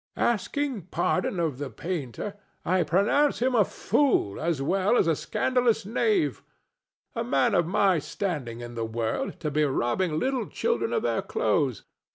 "Asking pardon of the painter, I pronounce him a fool as well as a scandalous knave. A man of my standing in the world to be robbing little children of their clothes!